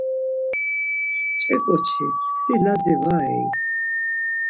Ç̌e ǩoçi, si Lazi va rei?